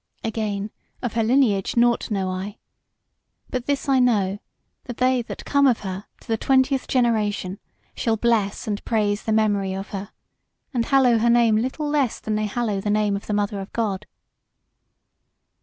Again, of her lineage nought know I; but this I know, that they that come of her, to the twentieth generation, shall bless and praise the memory of her, and hallow her name little less than they hallow the name of the Mother of God."